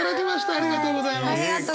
ありがとうございます。